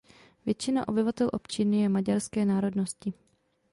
Většina obyvatel občiny je maďarské národnosti.